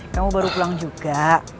kamu baru pulang juga